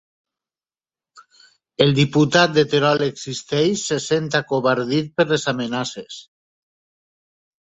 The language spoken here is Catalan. El diputat de Terol Existeix se sent acovardit per les amenaces